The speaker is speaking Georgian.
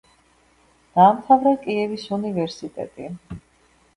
დაამთავრა კიევის უნივერსიტეტი.